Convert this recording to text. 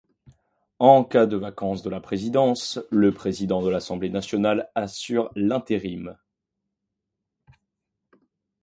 En cas de vacance de la présidence, le président de l'Assemblée nationale assure l'intérim.